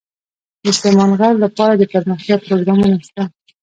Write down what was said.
د سلیمان غر لپاره دپرمختیا پروګرامونه شته.